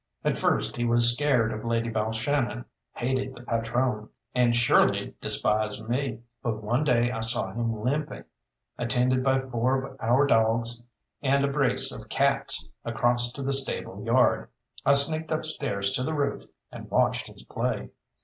At first he was scared of Lady Balshannon, hated the patrone, and surely despised me; but one day I saw him limping, attended by four of our dogs and a brace of cats, across to the stable yard. I sneaked upstairs to the roof and watched his play.